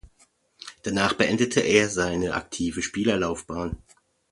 Danach beendete er seine aktive Spielerlaufbahn.